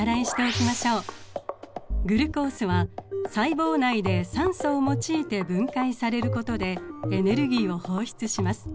グルコースは細胞内で酸素を用いて分解されることでエネルギーを放出します。